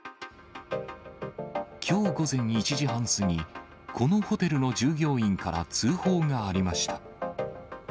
きょう午前１時半過ぎ、このホテルの従業員から通報がありました。